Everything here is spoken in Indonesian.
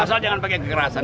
masalah jangan pakai kekerasan